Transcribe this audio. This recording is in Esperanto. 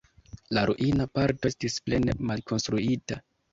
La ruina parto estis plene malkonstruita.